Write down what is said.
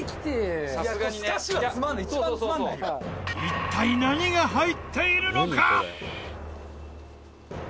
一体何が入っているのか！？